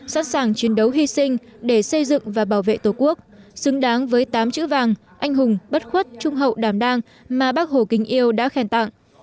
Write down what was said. sẵn sàng chiến đấu hy sinh để xây dựng và bảo vệ tổ quốc xứng đáng với tám chữ vàng anh hùng bất khuất trung hậu đảm đang mà bác hồ kính yêu đã khen tặng